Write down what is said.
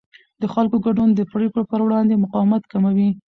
د خلکو ګډون د پرېکړو پر وړاندې مقاومت کموي